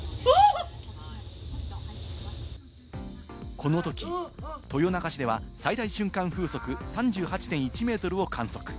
このとき、豊中市では最大瞬間風速３８．１メートルを観測。